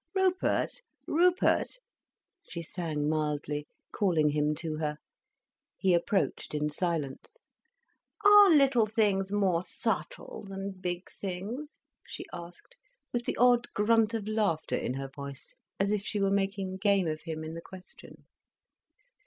"Rupert, Rupert," she sang mildly, calling him to her. He approached in silence. "Are little things more subtle than big things?" she asked, with the odd grunt of laughter in her voice, as if she were making game of him in the question.